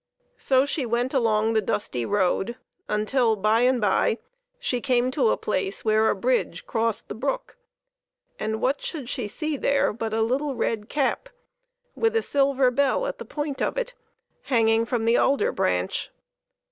So she went along the dusty road until, by and by, she came to a place where a bridge crossed the brook, and what should she see there but a little red cap, with a silver bell at the point of it, hang io8 PEPPER AND SALT. ing from the alder branch.